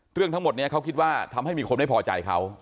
ทั้งหมดนี้เขาคิดว่าทำให้มีคนไม่พอใจเขา